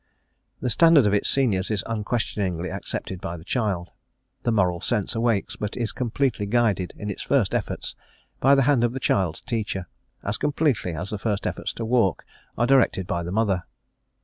The standard of its seniors is unquestioningly accepted by the child. The moral sense awakes, but is completely guided in its first efforts by the hand of the child's teacher, as completely as the first efforts to walk are directed by the mother.